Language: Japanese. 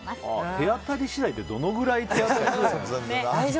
手当たり次第って、どのくらい手当たり次第なんだろう。